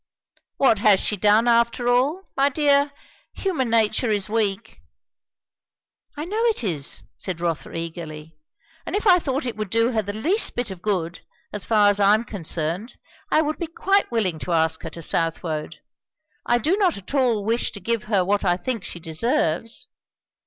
"What has she done, after all? My dear, human nature is weak." "I know it is," said Rotha eagerly; "and if I thought it would do her the least bit of good, as far as I am concerned, I would be quite willing to ask her to Southwode. I do not at all wish to give her what I think she deserves."